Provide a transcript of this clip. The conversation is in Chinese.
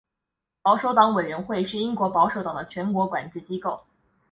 保守党委员会是英国保守党的全国管制机构。